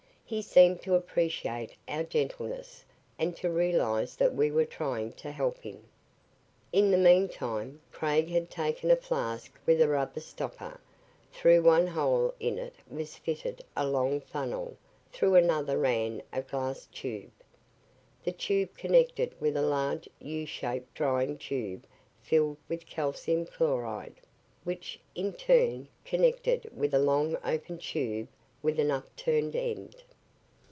He seemed to appreciate our gentleness and to realize that we were trying to help him. In the meantime, Craig had taken a flask with a rubber stopper. Through one hole in it was fitted a long funnel; through another ran a glass tube. The tube connected with a large U shaped drying tube filled with calcium chloride, which, in turn, connected with a long open tube with an upturned end.